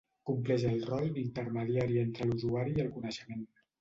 Compleix el rol d'intermediari entre l'usuari i el coneixement.